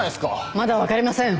まだ分かりません。